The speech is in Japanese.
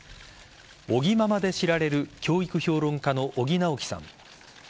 尾木ママで知られる教育評論家の尾木直樹さん。